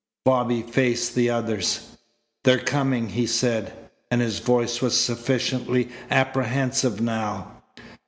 Bobby faced the others. "They're coming," he said, and his voice was sufficiently apprehensive now.